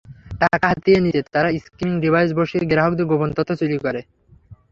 টাকা হাতিয়ে নিতে তারা স্কিমিং ডিভাইস বসিয়ে গ্রাহকদের গোপন তথ্য চুরি করে।